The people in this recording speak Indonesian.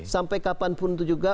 sampai kapanpun itu juga